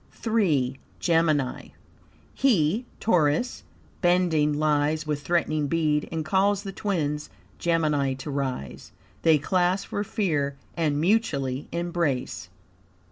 III. Gemini "He (Taurus) bending lies with threatening bead, and calls the Twins (Gemini) to rise. They clasp for fear and mutually embrace."